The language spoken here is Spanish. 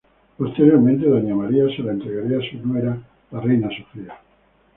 Posteriormente doña María se la entregaría a su nuera la Reina Sofía.